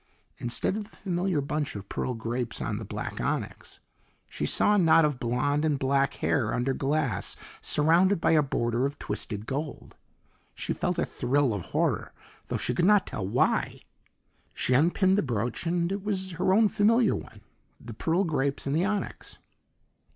Instead of the familiar bunch of pearl grapes on the black onyx, she saw a knot of blonde and black hair under glass surrounded by a border of twisted gold. She felt a thrill of horror, though she could not tell why. She unpinned the brooch, and it was her own familiar one, the pearl grapes and the onyx.